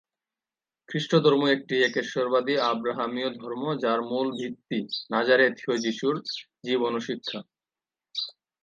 খ্রিষ্টধর্ম একটি একেশ্বরবাদী আব্রাহামীয় ধর্ম যার মূল ভিত্তি নাজারেথীয় যিশুর জীবন ও শিক্ষা।